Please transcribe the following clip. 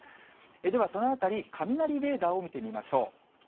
では、そのあたり、雷レーダーを見てみましょう。